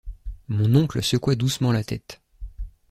Mon oncle secoua doucement la tête.